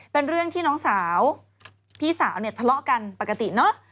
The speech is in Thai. เป็นเรื่องที่น้องสาวพี่สาวเนี่ยทะเลาะกันปกติเนอะ